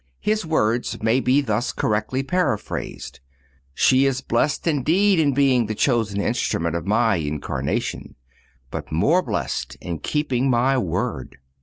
His words may be thus correctly paraphrased: She is blessed indeed in being the chosen instrument of My incarnation, but more blessed in keeping My word.